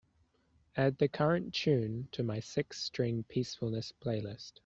add the current tune to my Six string peacefulness playlist